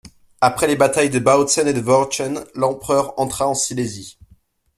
Après les batailles de Bautzen et de Wurtchen, l'empereur entra en Silésie.